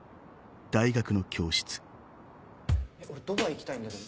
俺ドバイ行きたいんだけど。